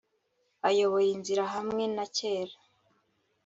ayobora inzira hamwe na kera